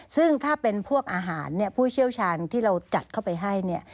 ซึ่งถ้าเป็นพวกอาหารผู้เชี่ยวชาญที่เราจัดเข้าไปให้